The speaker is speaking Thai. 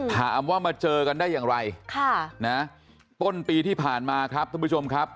ถามว่ามาเจอกันได้อย่างไรต้นปีที่ผ่านมาครับท่านผู้ชมครับ